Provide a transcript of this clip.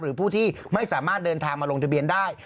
หรือผู้ที่ไม่สามารถเดินทางมาลงทะเบียนได้